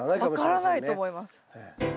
分からないと思います。